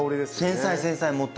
繊細繊細もっと。